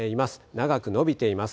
長く延びています。